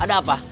hah ada apa